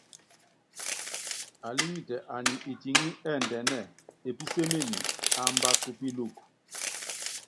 Alíŋitɛ aní itiŋí ɛ́ndɛnɛ́ɛ, epísémenyi, aamba kupíluku.